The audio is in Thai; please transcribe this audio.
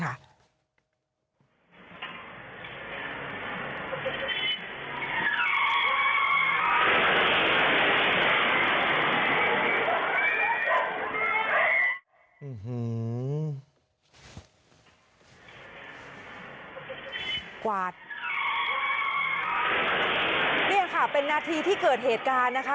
นี่ค่ะเป็นนาทีที่เกิดเหตุการณ์นะคะ